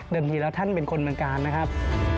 เดิมทีแล้วท่านเป็นคนเหมือนกันนะครับ